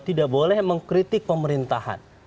tidak boleh mengkritik pemerintahan